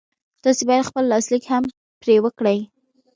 تاسې بايد خپل لاسليک هم پرې وکړئ.